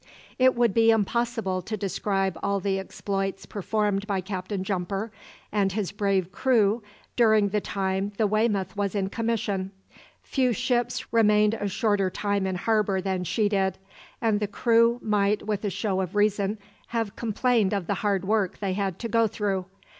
It would be impossible to describe all the exploits performed by Captain Jumper and his brave crew during the time the "Weymouth" was in commission. Few ships remained a shorter time in harbour than she did, and the crew might with a show of reason have complained of the hard work they had to go through.